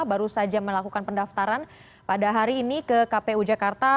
baru saja melakukan pendaftaran pada hari ini ke kpu jakarta